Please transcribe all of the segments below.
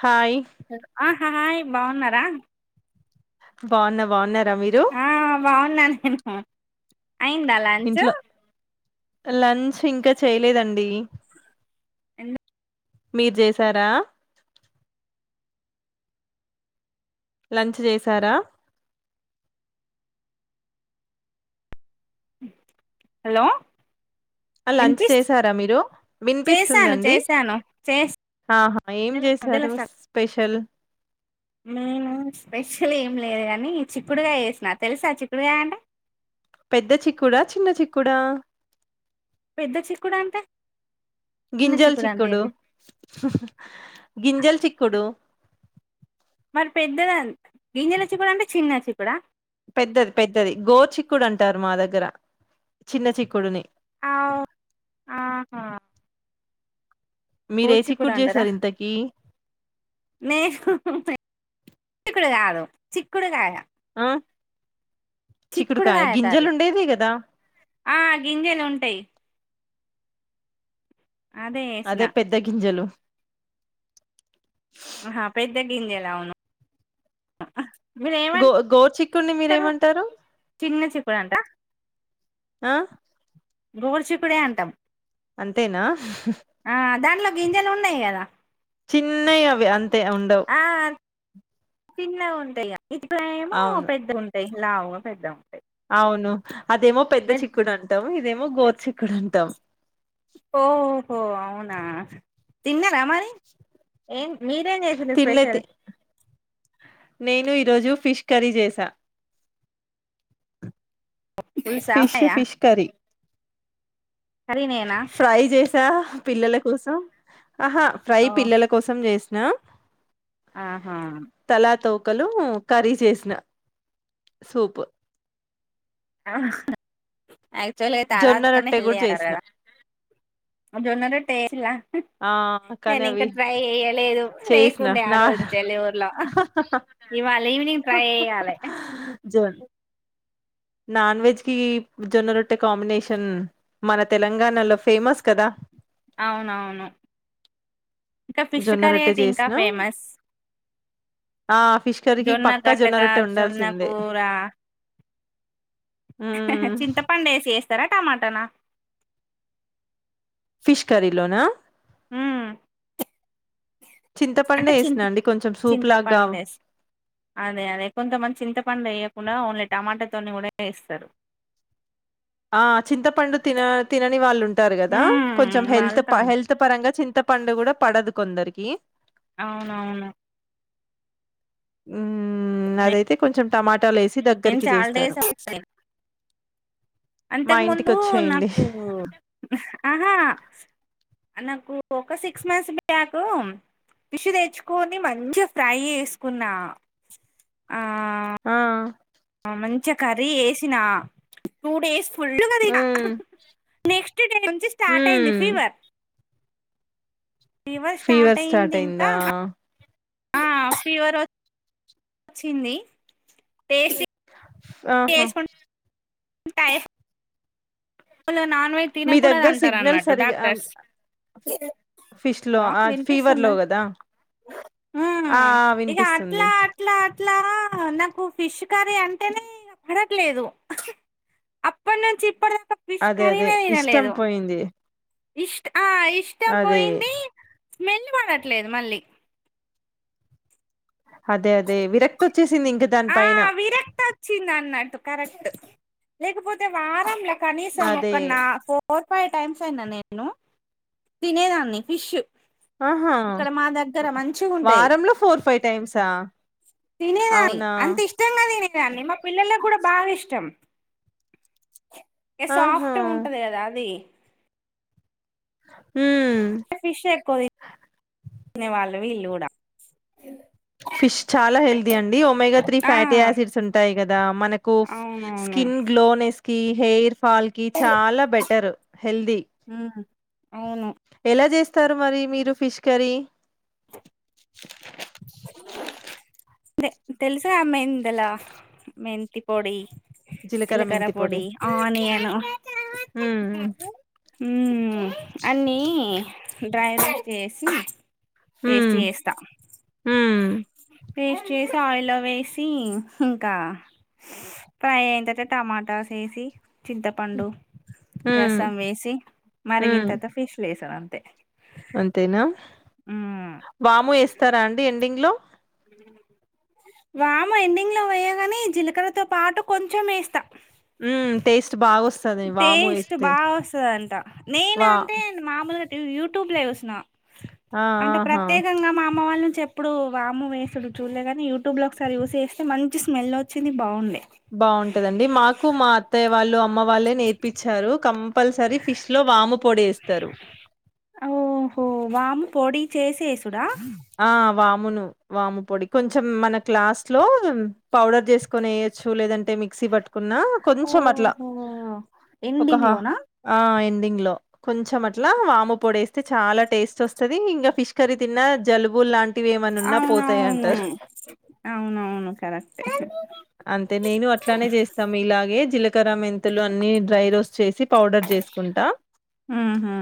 హాయి హ హాయ్ బావున్నారా బావున్నా బావున్నర్ ఆ బావున్నాను హుహా అయిందా లంచు చ్ ఇంకా చేయలేదండి ఎందు మీరు జేసారా లంచ్ చేశారా ఉమ్మ్ హలో లంచ్ వినిపిస్త్ చేసారా మీరు చేశాను వినిపిస్తుందండి. చేశాను చేస్ ఆహా ఏం మధ్యలో చేశారు స్టక్ స్పెషల్ నేను స్పెషల్ ఏం లేదు. కానీ చిక్కుడుగాయ వేసినా తెలుసా చిక్కుడుకాయ అంటే పెద్ద చిక్కుడా చిన్న చిక్కుడా పెద్ద చిక్కుడు అంటే చిన్న గింజల్ అంటే చిక్కుడు ఏంటి గింజల్ చిక్కుడు మరి పెద్ద గింజల చిక్కుడు అంటే చిన్న చిక్కుడా పెద్దది పెద్దది గోరు చిక్కుడు అంటారు మా దగ్గర చిన్న చిక్కుడుని ఆ ఆహా మీరే గోరు చిక్కుడా చిక్కుడు అంటారా చేశారు ఇంతకీ నే చి చిక్కుడు కాదు చిక్కుడు కాయ ఆ చిక్కుడు చిక్కుడుకాయ కాయ గింజలు కాదు ఉండేదే కదా ఆ గింజలు ఉంటాయి అదే పెద్ద గింజలు ఆహా పెద్ద గింజలు అవును మీరు గో ఏమంటారు గోరు చిక్కుడి మీరేమంటారు చిన్న చిక్కుడు అంట ఆ గోరు చిక్కు డే అంటాం అంతేనా ఆ దాంట్లో గింజలు ఉన్నాయి కదా చిన్నయ అవి అంతే ఉండవు ఆ చిన్నగా ఉంటయా ఇప్పుడ ఏమో అవును పెద్దగా ఉంటాయి లావు పెద్దగా ఉంటాయి అవును అదేమో పెద్ద మీరు చిక్కుడు అంటాం ఇదేమో మ గోర్చచిక్కడు అంటాం ఓహో అవునా తిన్న ర మరి ఏ మీరేం చేసింరూ తినలే స్పెషల్ తి నేను ఈరోజు ఫిష్ కర్రీ చేసా పులుసా ఫిష్ ఫిష్ కర్రీ కర్రి నేనా త్యా పిల్లల కోసం ఆహా ఫ్రై ఓ పిల్లల కోసం చేస్త ఆ ఆహా ముక్కలు కర్రీ చేసిన సూప్ ఆ యాక్టువల్లీ తల జొన్న తోకనే రొట్టె హెల్ ది కూడా అంటారు చేసిన కాదా ట చేసిల్ల ఆ కానీ నేను ఇంకా అవి ట్రై చేయలేదు చేసిన లేకుండే ఆ నా రోజు సేల ఊర్లో ఇవాళ ఈవినింగ్ ట్రై చేయ్యాలే జోర్ నాన్ వెజ్ కి జొన్న రొట్టె కాంబినేషన్ మన తెలంగాణలో ఫేమస్ కదా అవునవును ఇంకా ఫిష్ జొన్న కర్రీ రొట్టె అయితే ఇంకా చేసినా ఫేమస్ ఆ ఫిష్ కర్రీకి జొన్న పక్కా గట్టక రొట్టె జొన్న ఉండాల్సిందే కూర మ్మ్ చింతపండు ఏసీ చెస్ తరా టమాటనా ష్ కర్రీ లోనా ఉమ్ చింతపండే అంటే ఏసిన చింత అండి కొంచెం సూపులాగ చింతపండు గావ్ వేసి అదే అదే కొంతమంది చింతపండెయకుండా ఓన్లీ టమాటతోని కూడా ఏస్తారు ఆ చింతపండు తిన తినని వాళ్ళు ఉంటారు కదా ఉమ్ కొంచెం హెల్త్ వాళ్తాం హెల్త్ పరంగా చిం త్త పండుగ కూడా పడదు కొందరికి అవునవును ఉ నే- అదైతే కొంచెం టమాటాలేసి సి నేను దగ్గరికి చాలా చేస్తారు డేస్ అవుతుంది మా అంతకు ఇంటికి ముందు వచ్చేయండి నాకు ఆహా నాకు ఒక సిక్స్ మంత్స్ బ్యాక్ ఫిష్ తెచ్చుకొని మంచిగ ఫ్రై చేసుకున్నా ఆ మంచిగ కర్రీ చెసిన టూ డేస్ ఫుల్గ తిన్న మ్మ్ నెక్స్ట్ డే నుంచి స్టార్ట్ అయింది మ్మ్ ఫీవర్ ఫీవర్ స్టార్ట్ అఇందా ఆ ఫీవర్ ఓ చ్చింది టెస్ ఆహా టైఫ్ పోల నా ఇ మీ తినకూడది దగ్గర సిగ్నల్ అంటరాన్నట్టు సరిగా డాక్టర్ ఫిష్ లో హల్ ఫీవర్ లో వినిపిస్తుందా కదా హు ఆ ఆ ఇగ వినిపిస్తుంది. అట్లా అట్లా అ ట్లా నాకు ఫిష్ కర్రీ అంటేనే పడట్లేదు అప్పటి నుంచి ఇప్పటి ఫిష్ అదే అదే కర్రీనే ఇష్టం తినలేదు పోయింది ఇష్ట ఆ ఇష్టం అదే పోయింది స్మెల్ పడట్లేదు మళ్ళీ అదే అదే విరక్త వచ్చేసి ఆ విరక్తి వచ్చింది అన్నట్టు కరెక్ట్ లేకపోతే వారంల కనీసం ఒక్క అదే నా ఫోర్ ఫైవ్ టైమ్స్ అయిందని నేను తినేదాన్ని ఫిష్ ఆహా ఇక్కడ మా దగ్గర మంచిగా ఉంటాయి వారంలో ఫోర్ ఫైవ్ టైమ్సా తినేదాన్ని అవునా అంత ఇష్టంగా తినేదాన్ని మా పిల్లలకుడాప్ బాగా ఇష్టం ఏ ఆహా! సాఫ్ట్ గా ఉంటది కదా అది హ్మ్. టే ఫిష్ ఎక్కువ తిన్ తినే వాళ్ళవి వీళ్ళు కూడా ఫిష్ చాలా హెల్దీ అండి. ఒమెగా త్రీ ఆ ఫ్యాటీ యాసిడ్స్ ఉంటాయి కదా, మనకు అవునవును స్కిన్ గ్లోనేస్ కి హెయిర్ ఫాల్ కి చాలా బెటర్ హెల్దీ ఉమ్ అవును ఎలా చేస్ తారు మరి మీరు ఫిష్ కర్రీ తెలుసా మెందల మెంతి పొడి. జీలకర్ర జిలకర్ర మెంతి పొడి, ఆనియను హ్మ్. హుమ్. అన్నీ హ్మ్ డ్రై రోస్ట్ చేసి పేస్ట్ చేస్తా ఉమ్ పేస్ట్ చేసి ఆయిల్లో వేసి ఇంకా స్ ఫ్రై అయిన తవాత, టమాటాస్ వేసి చింతపండు హ్మ్. హ్మ్. రసం వేసి హ్మ్. మరిగినతవ్త ఫిష్ వేసి టఅంతే అంతేనా వాము వేస్తారా అండి ఎండి గ్ లో వాము ఎండింగ్ లో వెయ్యాగాని జీలకరతో పాటు కొంచెం వేస్తా ఉమ్ టేస్ టేస్ట్ బా వస్తద అంట నేను వా అంటే మామూలుగా నె యూట్యూబ్ లో చూస్న ఆ అంటే ఆహా ప్రత్యేకంగా మా అమ్మ వాళ్ళ చెప్ ఇప్పుడు వాము వేసడు చూడలే కానీ యూట్యూబ్లో ఒకసారి యూస్ చేస్తే మంచి స్మెల్ వచ్చింది బాగుండే బాగుంటదండి మాకు మా అత్తయ్య వాళ్ళు మా వల్లే నేర్పించారు కంపల్సర ఫిష్ లో వాము పొడి వేస్తారు చేసేస్ కుడా మును వాము పొడి కొంచం మనక్ లాస్ట్లో పౌడర్ చేసుకొన వేయచు లేదంటే మిక్సి కున్నా కొంచెం అట్లా ఓహో ఒక ఎండింగ్ హ లోనా ఆ ఎండింగ్లో కొంచెం అట్ల వాము పొడి వేస్తే చాలా టేస్ట్ వస్తది ఇంకా ఫిష్ కర్రీ తిన్నా జలుబు లాం టివి ఏమైనా ఉన్న పోతాయ్ అవునవును అంటార్ అవునవును కరెక్టే నేను అట్లానే చేస్తా జీలకర్ కర మెంత్ తులు అన్ని డ్రై రోస్ చేసి పౌడర్ చేసుకుంటా ఉహు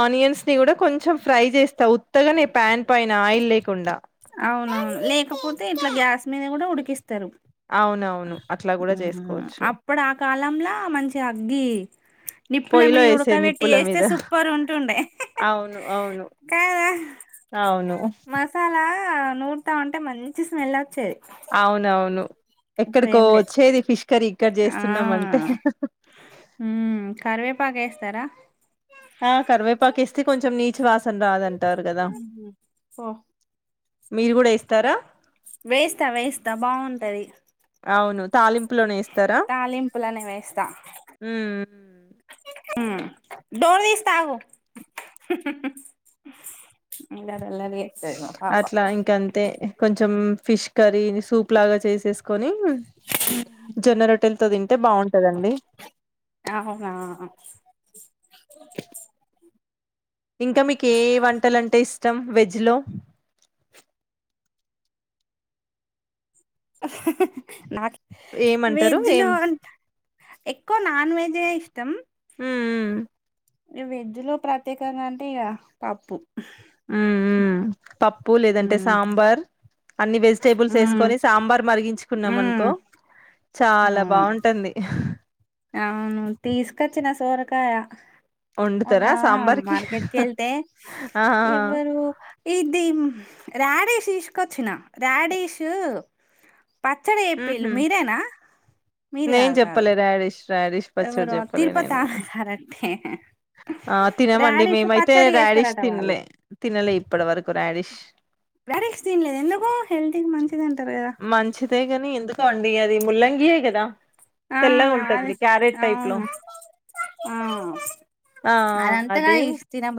ఆనియన్స్ ని కూడా కొంచెం ఫ్రై చేస్తా తగలని పాన్ పైన ఆయిల్ లేకుండా అవును లేకపోతే ఇట్లా గ్యాస్ మీద కూడా ఉడికిస్త తరు అవునవును అట్లా కూడా చేసుకోవచ్చు అప్పుడు ఆ కాలంల మంచి అగ్గి నిప్పుల పొయ్యిలో మీద వేసే ఉడకబెట్టి నిప్పుల చేస్తే మీద సూపర్ ఉంటుండే అవును అవును కాదా అవును మసాలా నూర్తా ఉంటే మంచి స్మెల్ వచ్చేది అవునవును ఎక్కడికో ఇప్పుడేం లేదు. వచ్చేది ఫిష్ కర్రీ ఇక్కడ ఆ! చేస్తున్నాం అంటే ఎస్తారా ఆ కరువే పాకేస్తతికి కొంచం నీచ వాస్ రాదంటారు కదా హుహు. ఓ మీరు కూడా ఏస్తారా వేస్తా వేస్తా బావుంటది అవును తాలింపులోనే ఎస్ తాలీంపులనే వేస్తా ఉమ్ డోర్ తీస్త ఆగు అల్లరి చేస్తది మా పాప అట్లా ఇంక అంతే కొంచెం ఫిష్ కర్రీ సూప్ లాగా చేసేసు కోని జోనర్టెల్ తో తింటే బాగుంటందండి అవునా ఇంకా మీకు ఏ వంటలాంటే ఇష్టం వెజ్ హలో నాక ఏమంటారు వెజ్ ఏం లో అంట ఎక్కువ నాన్ వెజ్ జే ఇష్టం మ్మ్ ఈ వెజ్ లో ప్రత్యేకంగా అంటే ఇగా పప్పు మ్మ్ మ్మ్ పప్పు లేదంటే మ్మ్ సాంబార్ అన్ని వెజిటేబుల్స్ మ్మ్ వేసుకోని సాంబార్ మరిగించ కున్నాం అనుకో మ్మ్ చాలా బాగుంటుంది ఆహ్ తీసుకొచ్చిన సొరకాయ వండుతారా అవున్నా సాంబార్కి మార్కెట్ కళ్తే ఆ ఎవరు ఇదిది రాడీష్ తీసుకొచ్చిన రాడీష్ పచ్చడి మ్మ్ చెప్పినారు హ్మ్ మీరేనా మీరు నేను కాదు కాదు చెప్పలే రాడిష్ రాడిష్ పచ్చడి ఎవరో చెప్పలే తిరుపతా, నేను కరెక్టే ఆ తినమండి మేమైతే రా డిష్ చేస్తారట వాళ్ళు తినలే, తినలే ఇప్పటి వరకు రాడిష్ రాడిష్ తినలేదు ఎందుకు హెల్తీకి మంచిది అంటారు కదా మంచిదే ని ఎందుకు కండియాది ములంంగ కదా ఆ తెల్లగా అదే ఉంటది క్యారెట్ టైప్ లో అవును ఆ ఆ అదంతగా అదే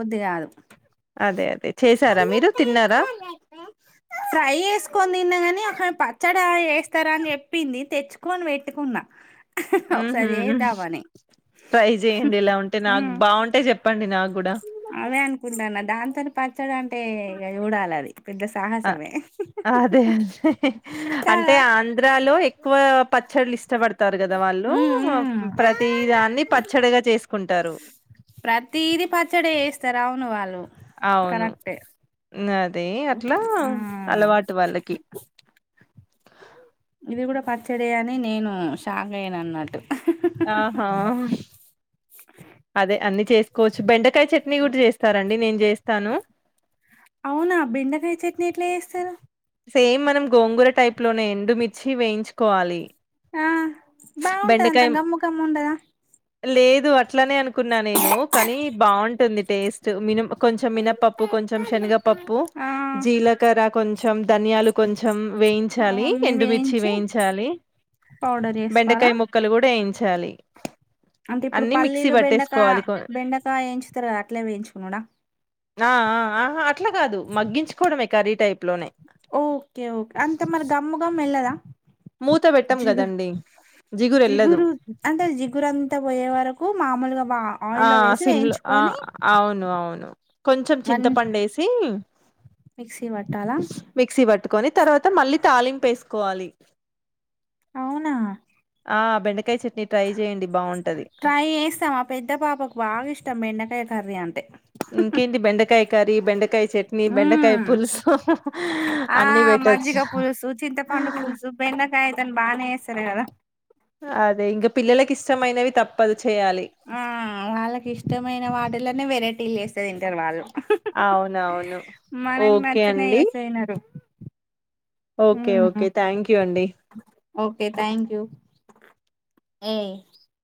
[unintelligible] అదే అదే చేసారా మీరు తిన్నారా ఫ్రై చేసుకొని తిన్న కానీ, పచ్చడి వస్తారా అని చెప్పింది తెచ్చుకొని పెట్టుకున్నా ఉహూ, ఒకసారి చేద్దామని ట్రై చెయండి ఇలా ఉంటే నాకు బాగుంటే చెప్పండి నాకు కూడా అవే అనుకుంటాన్న దాంతోనీ పచ్చడి ఆయే నేను కూడా అలానే ఆ అదే, అదే అంటే కాదా ఆంధ్రాలో ఎక్కువ పచ్చడులు ఇష్టపడతారు కదా వాళ్ళు ఉమ్ ఉమ్ ప్రతి దాన్ని పచ్చడిగా చేసుకుంటారు వేస్త రా అవును వాళ్ళు అవును కరెక్టే అ అదే అట్లా ఉమ్ అలవాటు వాళ్ళకి ఇవి కూడా పచ్చడి అని నేను షాక్ అయను అన్నట్టు అహహా అదే అన్ని చేసుకోవచ్చు బెండకాయ చట్నీ కూడా చేస్తారంండి నేను చేస్తాను అవునా బెండకాయ చట్నీ ఎట్లా చేస్తారు సేమ్ మనం గోంగూర టైప్ లోనే ఎండుమిర్చి వేయించుకోవాలి బాగుంటదంతా, బెండకాయ గమ్ముకమ్మ ఉండదా లేదు అట్లనే అను అనుకున్న నేను కానీ బాగుంట ఉంటుంది టేస్ట్ మిన కొంచెం మినపప్పు కొంచెం శనగపప్పు, ఆ జీలకర్ర కొంచ కొంచెం ధనియాలు కొంచెం వేయించాలి, అవన్నీ ఎండుమిర్చి వేయించి వేయించాలి పౌడర్ చేసుకోవాలా బెండకాయ ముక్కలు కూడా వేయించాలి అంటే ఇప్పుడు అన్ని మిక్సీ పల్లీలు బెండకా పట్టేసుకోవాలి కొ బెండకాయ వేయించుతారు కదా అట్లే వేయించుకున్నాడా ఆ ఆ ఆహా అట్లా కాదు మగ్గించుకోడమే కర్రీ టైప్ లోనే ఓకే ఓకే అంత మరి గమ్ గమ్ వెళ్ళదా మూత పెట్టం జిగురు కదండి జిగురు ఎళ్ళదు అంటే జిగురు అంతా పోయే వరకు మామూలుగా బా ఆ ఆయిల్లో వేసి సిమ్లో ఆ వేయించుకొని అవును అవును కొంచెం వన్ చింతపండేసి మిక్సీ పట్టాలా మిక్సీ పట్టుకొని తర్వాత మళ్ళీ తాలింపేసు కోవాలి అవునా ఆ బెండకాయ చిట్ ట్రై చేస్తాం పెద్ద పాపకు బాగా ఇష్టం బెండ ఏ కర్రీ అన్ ఇంకేంటి బెండకాయ కర్రీ బెండకాయ చెట్ని బెండకాయ మ్మ్ పులుసు ఆ అన్ని పెట్టొచ్చు. మజ్జిగ కానీ తను బానే చేస్తది కదా అదే ఇంక పిల్లలకి ఇష్టమైనవి తప్పదు చేయాలి. ఆ వాళ్ళకి ఇష్టమైన వాటిలనే వెరైటీలు చేస్ [inaudible] అదే తింటరు వాళ్ళు అవునవును మనకు ఓకే నచ్చినవి అండి చేస్తే తినరు ఓకే ఓకే థాంక్యూ అండి ఓకే థాంక్యూ హ్మ్